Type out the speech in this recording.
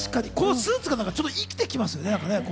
スーツが生きてきますよね。